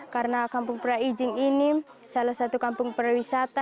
karena kampung prai ijin ini salah satu kampung prawisata